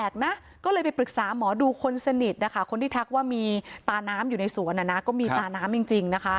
ก็ขอพรขอโชคขอลาบก็แล้วกัน